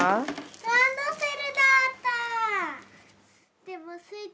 ランドセルだった。